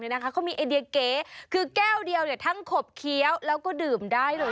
นี่นะคะเขามีเอเดียเกเก้าเดียวเดียวทั้งขบเคี้ยวแล้วก็ดื่มได้เลย